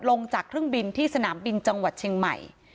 ลงจากเครื่องบินที่สนามบินจังหวัดเชียงใหม่